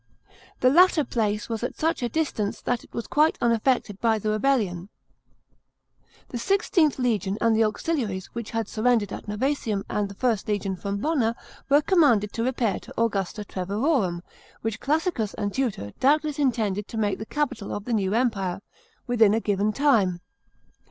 The latter place was at such a distance that it was quite unaffected by the rebellion. The XVIth legion and the auxiliaries which had surrendered at Novsesium and the 1st legion from Bonna were commanded to repair to Augusta Treverorum — which Classicus and Tutor doubt less intended to make the capital of the new empire — within a given time.